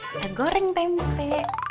kita goreng tempe